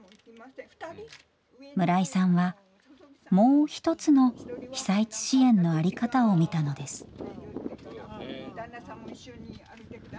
村井さんは「もう一つ」の被災地支援の在り方を見たのです。